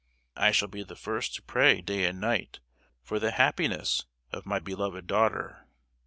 I shall be the first to pray day and night for the happiness of my beloved daughter!